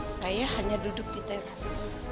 saya hanya duduk di teras